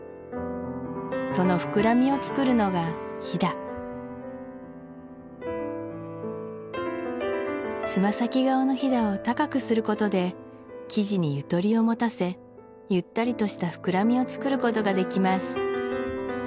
その膨らみを作るのがひだつま先側のひだを高くすることで生地にゆとりをもたせゆったりとした膨らみを作ることができます